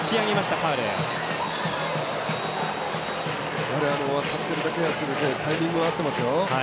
やはり当たっているだけあってタイミングも合ってますよ。